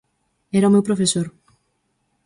Era o meu profesor.